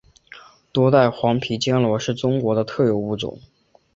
多带黄皮坚螺是中国的特有物种。